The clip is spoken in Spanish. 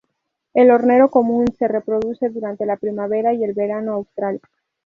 El hornero común se reproduce durante la primavera y el verano austral.